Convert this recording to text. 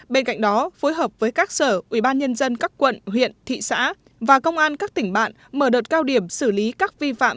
bên cạnh đó phối hợp với các sở ubnd các quận huyện thị xã và công an các tỉnh bạn mở đợt cao điểm xử lý các vi phạm